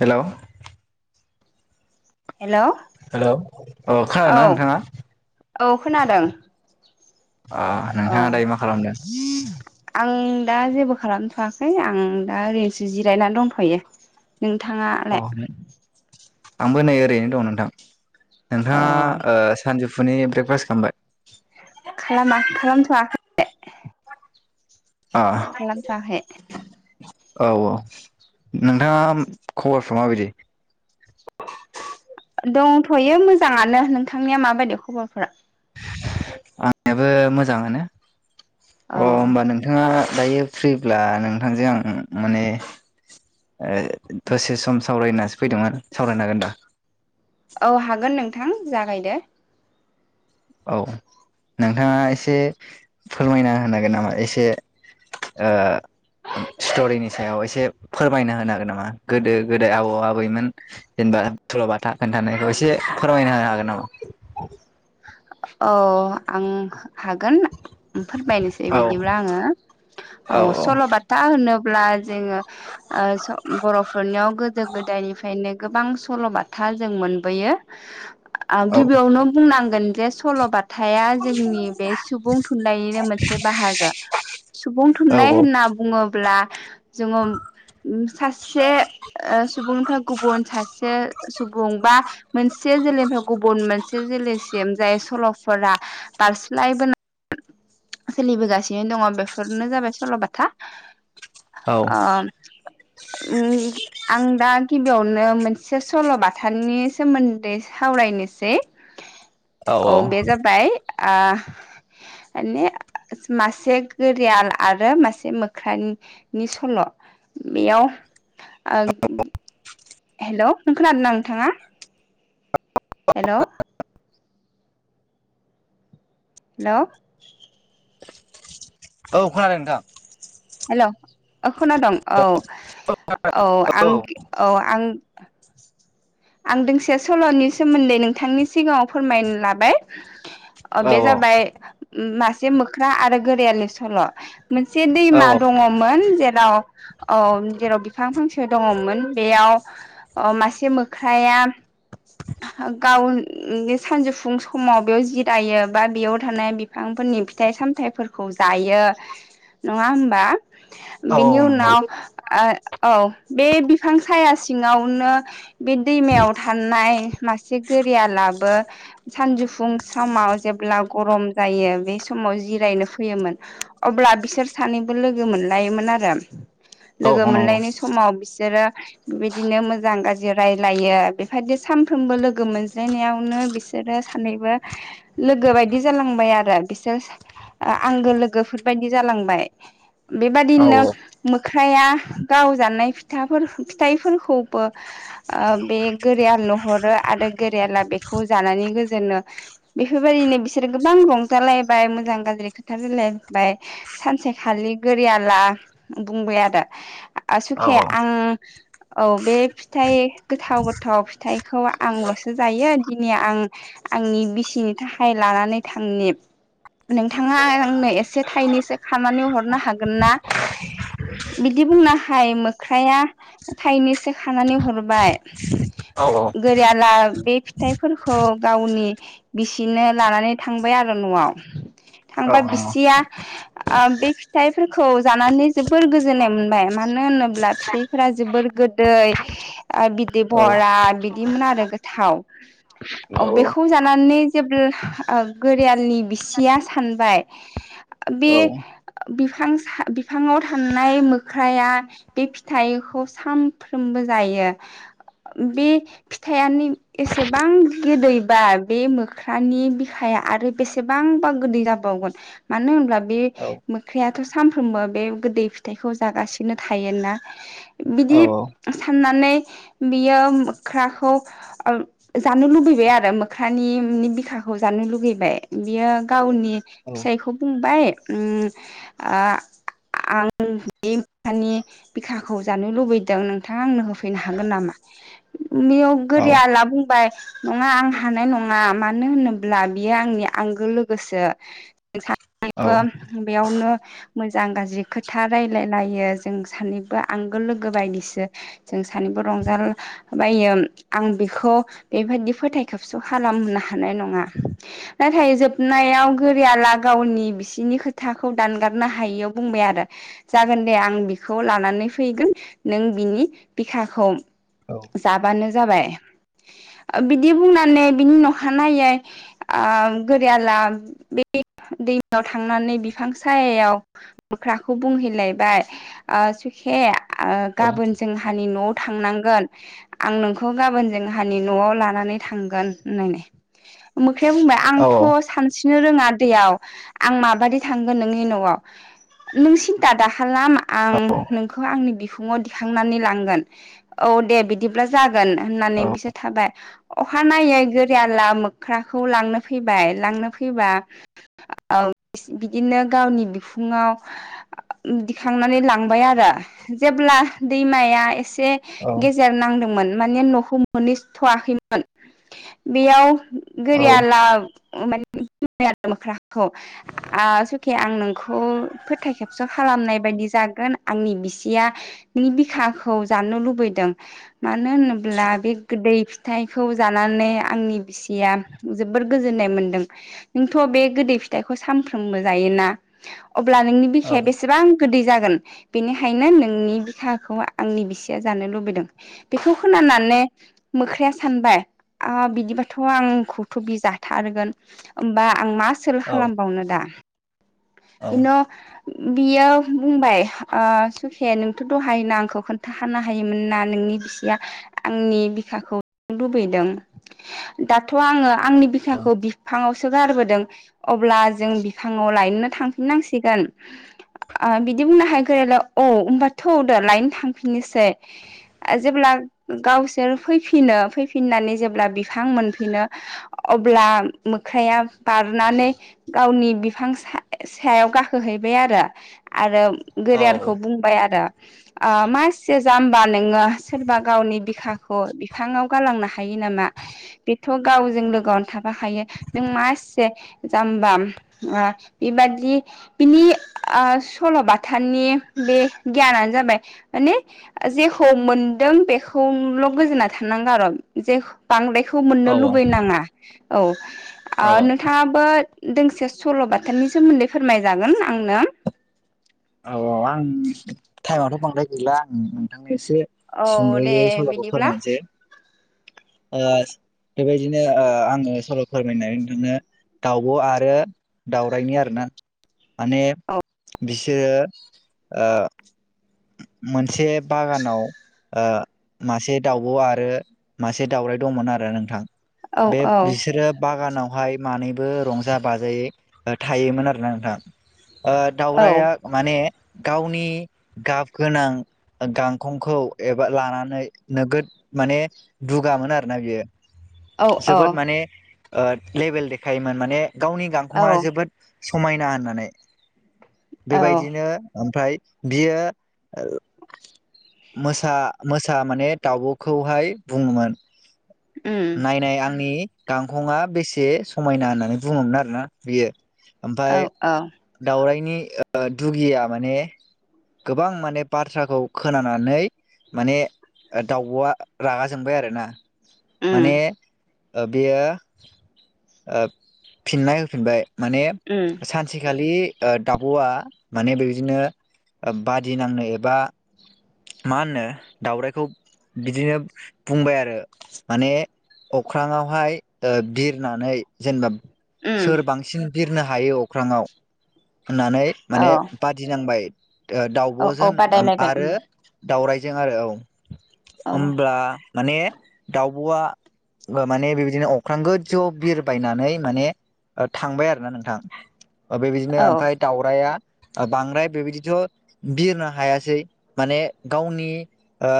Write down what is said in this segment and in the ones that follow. Hello hello hello अ खोनादों औ ना नोंथाङा? औ खोनादों अ औ नोंथाङा दायो मा खालामदों? [unintelligible] आं दा जेबो खालामथ'वाखै आं दा ओरैनोसो जिरायनानै दंथ'यो। नोंथाङा अ आंबो नै ओरैनो दं नोंथां औ नोंथाङा ओ सानजौफुनि ब्रेकफास्ट खामबाय खालामा खालामथ'वा अ खालामथ'वाखै औ औ नोंथाङा खबरफ्रा माबायदि दंथ'यो मोजाङानो नोंथांनिया माबायदि खबरफोरा आंनियाबो मोजाङानो अ औ होमबा नों नोंथाङा दायो फ्रिब्ला नोंथांजों आं माने ओ दसे सम सावरायनासो फैदोंमोन सावरायनो हागोन दा? औ हागोन नोंथां जागायदो। औ नोंथाङा एसे फोरमायना होनागोन नामा एसे [unintelligible] ओ स्ट'रिनि सायाव एसे फोरमायनो होनो हागोन नामा गोदो गोदाय आबौ आबैमोन जेनेबा थुल'बाथा खोन्थानायखौ एसे फोरमायनो होनो हागोन नामा? अ आं हागोन फोरमायनोसै हागोन नामा? औ बिदिब्ला आङो औ सल'बाथा होनोब्ला जोङो ओ स' बर'फोरनियाव गोदो गोदायनिफ्रायनो गोबां सल'बाथा जों मोनबोयो। [inaudible] आ गिबियावनो बुंनांगोन जे सल'बाथ थाया जोंनि बे सुबुं थुनलाइनिनो मोनसे बाहागो। सुबुं औ थुनलाइ होनना बुङोब्ला जोङो सासे ओ सुबुंनिफाय गुबुन सासे सुबुं बा मोनसे जोलैनिफ्राय गुबुन मोनसे जोलैस सिम जाय सल'फोरा बारस्लायबोना सोलिबोगासिनो दङ' बेफोरनो जाबाय सल'बाथा। ओम [unintelligible] उम आं दा गिबियावनो मोनसे सल'बाथानि सोमोन्दै सावरायनोसै। औ बे जाबाय आ माने मासे गोरियाल आरो मासे मोख्रानि। नि सल' बेयाव ओ हेल' नों खोनादों ना नोंथाङा हेल' हेल' औ खोनादों नोंथां हेल' अ खोना दं औ औ आं औ आं आं दोंसे सल'नि सोमोन्दै नोंथांनि सिगाङाव फोरमायनो लाबाय अ औ बे जाबाय मासे मोख्रा आरो गोरियालनि सल' मोनसे औ दैमा दङ'मोन जेराव औ जेराव बिफां फांसे दङ'मोन बेयाव अ मासे मोख्राया [unintelligible] गाव सानजौफुं समाव बेयाव जिरायो बा बेयाव थानाय बि फांफोरनि फिथाइ सामथायफोरखौ जायो नङा होमबा औ बिनि नंगौ उनाव ओ औ बे बिफां साया सिङावनो बे दैमायाव थानाय मासे गोरियालाबो सानजौफुं समाव जेब्ला गरम जायो बे समाव जिरायनो फैयोमोन। अब्ला बिसोर सानैबो लोगो मोनलायोमोन आरो औ लोगो नंगौ मोनलायनाय औ समाव बिसोरो बिदिनो मोजां गाज्रि रायलायो बेबायदि सानफ्रोमबो लोगो मोनज्लायनायावनो बिस बिसोरो सानैबो लोगो बायदि जालांबाय आरो बिसोर आंगो लोगोफोरबायदि जालांबाय। औ नंगौ औ बेबादिनो औ मोख्राया गावजानाय फिथाफोर फिथाइफोरखौबो बे गोरियालनो हरो आरो गोरियाला बेखौ जानानै गोजोनो। बेफोरबायदिनो बिसोरो गोबां रंजालायबाय मोजां गाज्रि खोथा रायलायबाय सानसेखालि गोरियाला बुंबाय आरो ओ औ औ सुखे आं औ बे फिथाइ गोथाव-गोथाव फिथाइखौ आंल'सो जायो दिनि आं आंनि बिसिनि थाखाय लानानै थांनि नोंथाङा आंनो एसे थाइनैसो खानानै हरनो हागोन ना बिदि बुंनाहाय मोख्राया थाइनैसो खानानै हरबाय गोरियाला बे फिथाइफोरखौ गावनि बिसिनो लानानै थांबाय आरो न'आव थांबा बिसिया आ बे फिथाइफोरखौ जानानै जोबोर गोजोननाय मोनबाय मानो होनोब्ला फिथाइफोरा जोबोर गोदै बिदि भहरा बिदिमोन आरो गोथाव। अ बेखौ जानानै जेब्ला ओ गोरियालनि बिसिया सानबाय बे बिफां बिफाङाव थानायनाय मोख्राया बे फिथाइखौ सामफ्रोमबो जायो बे फिथायानो एसेबां गोदैबा बे मोख्रानि बिखाया आरो बेसेबांबा गोदै जाबावगोन मानो होनब्ला बे मोख्राया दाथ' सानफ्रोमबो बे गोदै फिथाइखौ जागासिनो थायो ना। बिदि साननानै बियो मोख्राखौ जानो लुबैबाय आरो मोख्रानि बिखाखौ जानो लुुबैबाय। बियो गावनि फिसायखौ बुंबाय आं बे मोख्रानि बिखाखौ जानो लुबैदों नोंथाङा आंनो होफैनो हागोन नामा? बेयाव गोरियाला बुंबाय नङा आं हानाय नङा मानो होनोब्ला बियो आंनि आंगो लोगोसो सानैबो बेयावनो मोजां गाज्रि खोथा रायलायलायो जों सानैबो आंगो लोगो बायदिसो। जों सानैबो रंजा बायो आं बेखौ बेबायाददि फोथाय खोबस' खालामनो हानाय नङा। नाथाय जोबनायाव गोरियाला गावनि बिसिनि खोथाखौ दानगारनो हायियाव बुंबाय आरो जागोन दे आं बिखौ लानानै फैगोन नों बिनि बिखाखौ जाबानो जाबाय। ओ बिदि बुंनानै बिनि नखानायै गोरियाला बे दैमायाव थांनानै बिफां सायायाव मोख्राखौ बुंहैलायबाय ओ सुखे ओ गाबोन जोंहानि न'आव थांनांगोन आं नोंखौ गाबोन जोंहानि न'आव लानानै थांगोन होननानै। मोख्राया बुंबाय आंथ' सानस्रिनो रोङा दैयाव आं माबादि थांगोन नोंनि न'आव, नों सिन्था दाखालाम आं नोंखौ आंनि बिखुङाव दिखांनानै लांगोन। औ दे बिदिब्ला जागोन होननानै बिसोर थाबाय। अखा नायै गोरिया ला मोख्राखौ लांनो फैबाय, लांनो फैबा बिदिनो गावनि बिखुङाव दिखांनानै लांबाय आरो जेब्ला दैमाया एसे गेजेर नांदोंमोन माने न'खौ मोनहैसथ'आखैमोन बेयाव गोरियाला माने बुंबाय आरो मोख्राखौ सुखे आं नोंखौ फोथाय खेबस' खालामनाय बायदि जागोन आंनि बिसिया नोंनि बिखाखौ जानो लुबैदों। मानो होनोब्ला बे गोदै फिथाइखौ जानानै आंनि [unintelligible] जोबोर गोजोननाय मोनदों नोंथ' बे गोदै फिथाइखौ सानफ्रोमबो जायोना अब्ला नोंनि बिखाया बेसे एसेबां गोदै जागोन बेनिखायनो नोंनि बिखाखौ आंनि बिसिया जानो लुबैदों बेखौ खोनाने मोख्राया सानबाय बिदिबाथ' आंखौथ' बि जाथारगोन होमबा आं मा सोलो खालामबावनो दा! बेन [unintelligible] बियो बुंबाय ओ सुखे नोंथ' दहायनो आंखौ खोन्थाखानो हायोमोन ना नोंनि बिसिया आंनि बिखाखौ लुबैदों दाथ' आङो आंनि बिखाखौ बिफाङावसो गारबोदों अब्ला जों बिफांङाव लायनोनो थांफिननांसिगोन बिदि बुंनो हायो गोरलाय औ होनबाथ'दो लायनो थांफिननोसै जेब्ला गावसोर फैफिनो फैफिननानै जेब्ला बिफां मोनफिनो अब्ला मोख्राया बारनानै गावनि बिफां सायाव गाखोहैबाय आरो आरो औ औ गोरेरखौ बुं बाय आरो मासि जामबा नोङो सोरबा गावनि बिखाखौ बिफाङाव गालांनो हायो नामा बेथ' गावजों लोगोआवनो थाफाखायो नों मा एसे जामब ब [unintelligible] बेबादि बिनि सल'बाथानि बे गियानानो जाबाय माने जेखौ मोनदों बेखौल' गोजोना थानांगो आरो' जे बांद्रायखौ औ मोननो लुबैनाङा औ औ नोंथाङाबो दोंसे सल' बाथानि सोमोन्दै फोरमायजागोन आंनो औ औ आं टाइमाथ' बांद्राय गैला आं नोंथांनो एसे औ दे सुंदयै सल'खौ बिदिब्ला फोरमायनोसै बेबायदिनो आङो सल' फोरमायनानै नोंथांनो दाउब' आरो दाउरायनि आरोना माने औ बिसोरो मोनसे बागानाव मासे दाउब' आरो मासे दाउराय दंमोन आरो नोंथां औ बे औ बिसोरो बागानावहाय मानैबो रंजा बाजायै थायोमोन आरोना नोंथां औ दावराइया माने गावनि गाब गोनां गांखंखौ एबा लानानै नोगोद माने दुगामोन आरोना बियो औ जोबोद माने लेभेल देखायोमोन माने गावनि औ गांखंङआ जोबोद समायना होननानै औ बेबायदिनो ओमफ्राय बियो मोसा मोसा माने दाउब'खौहाय बुङोमोन उम नायनाय आंनि गांखंआ बेसे समायना होननानै बुङोमोन आरोना बियो औ ओमफाय औ दाउरायनि दुगिया माने गोबां माने बाथ्राखौ खोनानानै माने दाउब'आ रागा जोंबाय आरोना उम माने बेयो फिननाय होफिनबाय माने उम स [unintelligible] [unintelligible] खालि दाब'आ माने बेबायदिनो बादि नांनो एबा मा होनो दावराइखौ बिदिनो बुंबाय आरो माने अख्रांआवहाय बिरनानै जेनेबा उम सोर बांसिन बिरनो हायो अख्रांङाव होननानै औ माने बादिनांबाय औ औ दाउब'जों बादायलायबाय उम आरो दावरायजों आरो औ औ होनब्ला माने दावब'आ माने बेबायदिनो अख्रां गोजआव बिरबायनानै माने थांबाय आरो ना नोंथां बेबायदिनो औ ओमफ्राय दाउराइआ बांद्राय बेबायदिथ' बिरनो हायासै माने गावनि ओ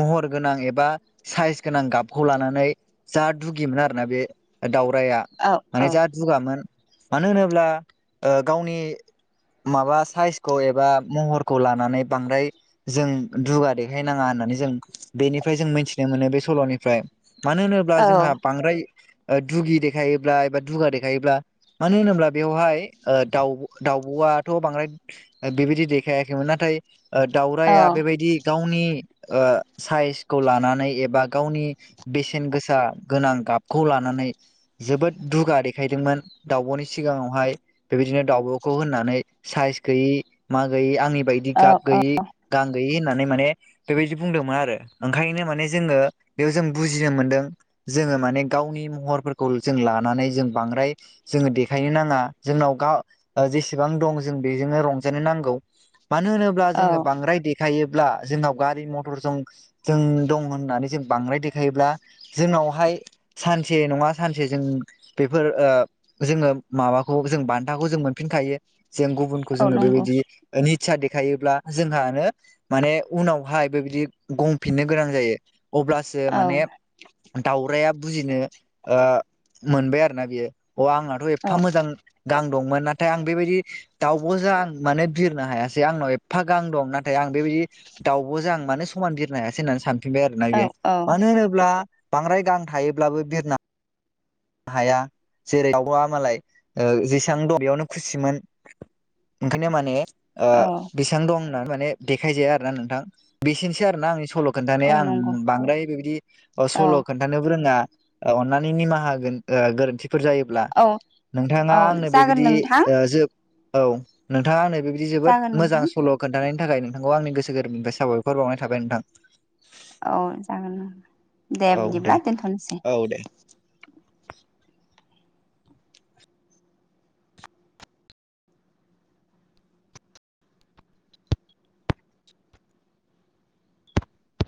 महर गोनां एबा साइज गोनां गाबखौ लानानै जा दुगिमोन आरोना बे दावरायआ औ माने औ जा जुगामोन मानो होनोब्ला गावनि माबा साइस खौ एबा महरखौ लानानै बांद्राय जों दुगा देखायनाङा होननानै जों बेनिफ्राय जों मिथिनो मोनो बे सल'निफ्राय मानो होनोब्ला औ जोंहा बांद्राय ओ दुगि देखायोब्ला एबा दुगा देखायोब्ला मानो होनोब्ला बेवहाय ओ दाउ दाउब'आथ' बांद्राय बेबायदि देखायाखैमोन नाथाय औ दाउरायआ बेबायदि गावनि ओ साइसखौ लानानै एबा गावनि बेसेन गोसा गोनां गाबखौ लानानै जोबोद दुगा देखायदोंमोन दावब'नि सिगाङावहाय बेबायदिनो दाउब'खौ होननानै साइस गैयि मा गैयि आंनि बायदि गाब औ गैयि गां गयि होननानै माने बेबायदि बुंदोंमोन आरो ओंखायनो माने जोङो बेयाव जों बुजिनो मोनदों जोङो माने गावनि महरफोरखौ जों लानानै जों बांद्राय जोङो देखायनो नाङा जोंनाव गाव जेसेबां दं जों बेजोंनो रंजानो नांगौ मानो होनोब्ला औ जों बांद्राय दे खायोब्ला जोंनाव गारि मथर जों जों दं होननानै जों बांद्राय देखायोब्ला जोंनावहाय सानसे नङा सानसे जों बेफोर ओ जोङो माबाखौ जों बान्थाखौ जों मोनफिनखायो जों गुबुनखौ औ जोङो नंगौ बेबायदि निच्चा देखायोब्ला जोंहानो माने उनावहाय बेबायदि गंफिननो गोनां जायो अब्लासो औ माने दाउराया बुजिनो मोनबाय आरो ना बियो अ आंहथ' औ एफा मोजां गां दंमोन नाथाय आं बेबायदि दाउबो जा आं माने बिरनो हायासै आंनाव एफा गां दं नाथाय आं बेबायदि दाउबो जो आं मानो समान बिरनो हायासै होननानै सान फिनबाय आरोना बे औ औ मानो होनोब्ला बांद्राय गां थायोब्लाबो बिरना हाया जेरै दाउबआ मालाय जेसबां दं बेयावनो खुसिमोन ओंखायनो मानि ओ औ बेसेबां दं होननानै माने देखायजाया आर ना नोंथां। बेसिनोसै आरो ना आंनि सल' औ खोनथानाया आं नंगौ बांद्राय बेदि औ सल' खोनथानोबो रोङा अनानै निमाहा ओ गोरोन्थिफोर जायोब्ला औ नोंथाङा औ आंनो जागोन बेबायदि नोंथां जोब औ नोंथाङा आंनो बेबायदि जोबोद जागोन मोजां नोंथां सल' खोनन्थानायनि थाखाय नोंथांखौ आंनि गोसो गोरबोनिफ्राय साबायखर बावनाय थाबाय नोंथां। औ जागोन दे। दे बिदिब्ला दोनथ'नोसै। औ दे